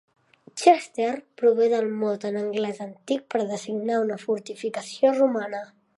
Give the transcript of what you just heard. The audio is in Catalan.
"Chester" prové del mot en anglès antic per designar una fortificació romana.